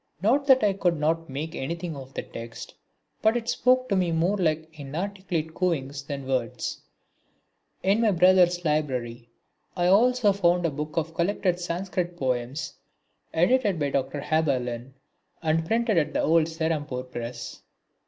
Not that I could not make anything of the text, but it spoke to me more like inarticulate cooings than words. In my brother's library I also found a book of collected Sanskrit poems edited by Dr. Haberlin and printed at the old Serampore press.